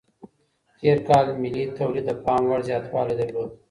تير کال ملي توليد د پام وړ زياتوالی درلود.